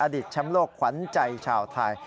อดีตช้ำโลกขวัญใจชาวไทย